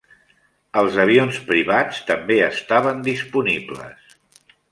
Els avions privats també estaven disponibles.